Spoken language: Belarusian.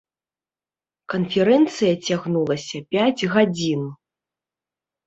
Канферэнцыя цягнулася пяць гадзін.